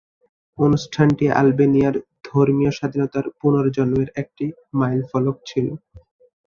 অনুষ্ঠানটি আলবেনিয়ার ধর্মীয় স্বাধীনতার পুনর্জন্মের একটি মাইলফলক ছিল।